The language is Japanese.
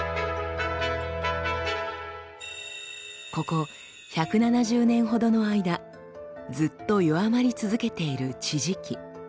ここ１７０年ほどの間ずっと弱まり続けている地磁気。